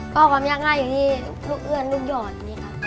ก็ความยังไงอยู่ที่ลูกเอือนลูกหย่อนนี้ครับ